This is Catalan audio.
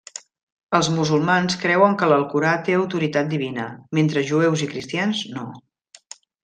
Els musulmans creuen que l'Alcorà té autoritat divina, mentre jueus i cristians no.